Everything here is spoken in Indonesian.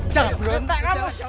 jangan berontak kamu